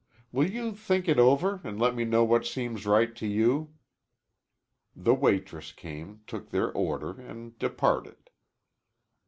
Will you think it over and let me know what seems right to you?" The waitress came, took their order, and departed.